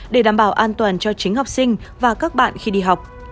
để đảm bảo an toàn cho chính học sinh và các bạn khi đi học